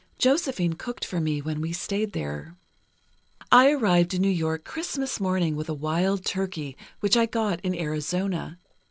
Josephine cooked for me when we stayed there. "I arrived in New York Christmas morning, with a wild turkey, which I got in Arizona.